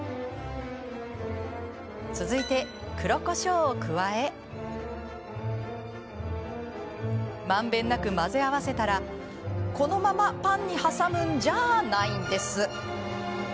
続いて、黒こしょうを加えまんべんなく混ぜ合わせたらこのままパンに挟むんじゃないんです。